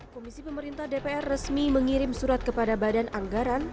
komisi pemerintah dpr resmi mengirim surat kepada badan anggaran